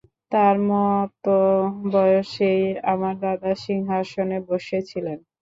তার মত বয়সেই আমার দাদা সিংহাসনে বসেছিলেন।